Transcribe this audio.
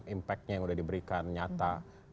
impactnya yang sudah diberikan nyata